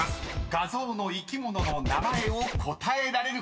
画像の生き物の名前を答えられるか⁉］